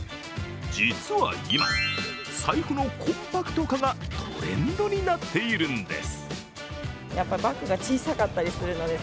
実は今、財布のコンパクト化がトレンドになっているんです。